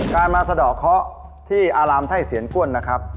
การมาสะดอกเคาะที่อารามไทยเสียนก้วนนะครับ